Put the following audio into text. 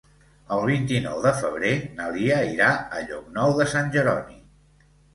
El vint-i-nou de febrer na Lia irà a Llocnou de Sant Jeroni.